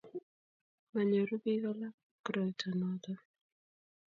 manyoru biik alak koroito noto